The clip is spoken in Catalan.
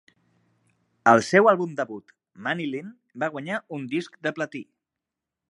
El seu àlbum debut "Manilyn" va guanyar un disc de platí.